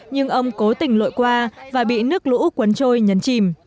nhưng ông cố tình lội qua và bị nước lũ cuốn trôi nhấn chìm